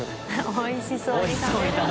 おいしそうに食べるな。